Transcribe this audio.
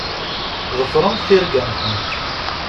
Ḍefṛemt tirga-nkent.